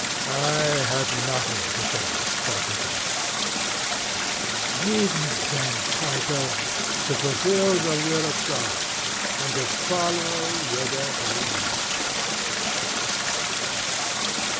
CRITO: I have nothing to say, Socrates. SOCRATES: Leave me then, Crito, to fulfil the will of God, and to follow whither he leads.